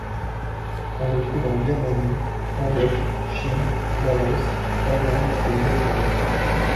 On le trouve en Birmanie, Cambodge, Chine, Laos, Thaïlande et Vietnam.